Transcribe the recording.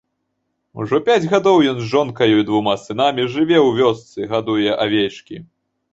Ужо пяць гадоў ён з жонкаю і двума сынамі жыве ў вёсцы, гадуе авечкі.